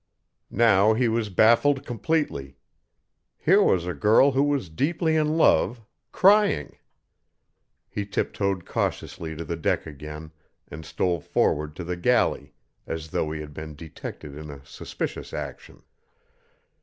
Now he was baffled completely. Here was a girl who was deeply in love, crying. He tiptoed cautiously to the deck again and stole forward to the galley as though he had been detected in a suspicious action.